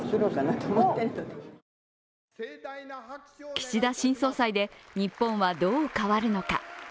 岸田新総裁で日本はどう変わるのか。